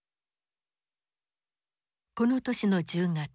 この年の１０月。